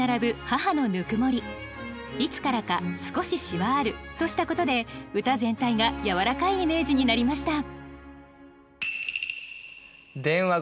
「いつからか少しシワある」としたことで歌全体がやわらかいイメージになりました。